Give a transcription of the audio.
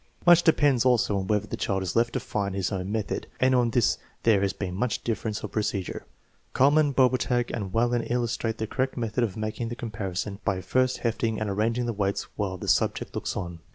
Much depends also on whether the child is left to find his own method, and on this there has been much difference of procedure. Kuhlmann, Bobertag, and Wallin illustrate the correct method of making the comparison by first heft 238 THE MEASUREMENT OF INTELLIGENCE ing and arranging the weights while the subject looks on.